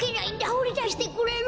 ほりだしてくれる？